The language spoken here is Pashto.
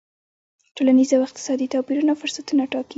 ټولنیز او اقتصادي توپیرونه فرصتونه ټاکي.